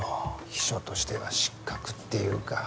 秘書としては失格っていうか。